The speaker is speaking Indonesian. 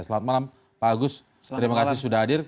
selamat malam pak agus terima kasih sudah hadir